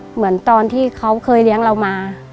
เหมือนตอนที่เขาเคยเลี้ยงเรามา